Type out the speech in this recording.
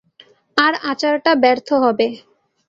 আর আচারটা ব্যর্থ হবে।